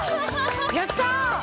やった！